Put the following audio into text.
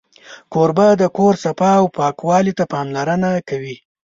کوربه د کور صفا او پاکوالي ته پاملرنه کوي.